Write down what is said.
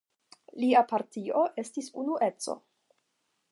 Lia partio estis Unueco.